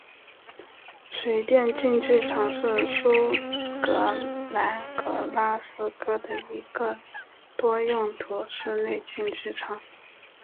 水电竞技场是苏格兰格拉斯哥的一个多用途室内竞技场。